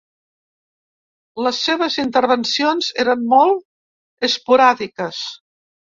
Les seves intervencions eren molt esporàdiques.